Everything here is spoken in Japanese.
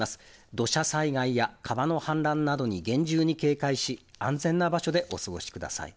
土砂災害や川の氾濫などに厳重に警戒し、安全な場所でお過ごしください。